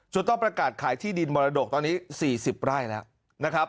ต้องประกาศขายที่ดินมรดกตอนนี้๔๐ไร่แล้วนะครับ